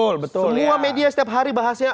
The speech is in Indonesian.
semua media setiap hari bahasnya